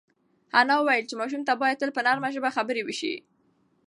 انا وویل چې ماشوم ته باید تل په نرمه ژبه خبرې وشي.